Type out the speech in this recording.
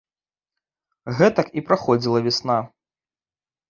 Гэтак і праходзіла вясна.